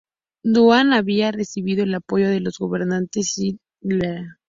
Duan había recibido el apoyo de los gobernadores Zhili del Yangzi.